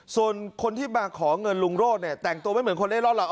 ส่วนคนที่มาขอเงินลุงโรธเนี่ยแต่งตัวไม่เหมือนคนเล่นร่อนหรอก